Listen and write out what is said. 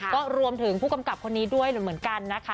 ก็รวมถึงผู้กำกับคนนี้ด้วยเหมือนกันนะคะ